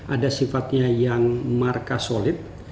ada sifatnya yang marka solid